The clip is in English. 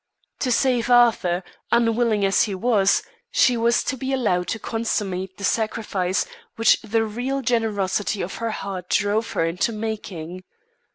To save Arthur, unwilling as he was, she was to be allowed to consummate the sacrifice which the real generosity of her heart drove her into making.